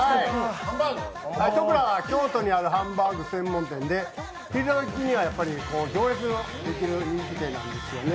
とくらは京都にあるハンバーグ専門店で、昼どきには行列のできる人気店ですよね。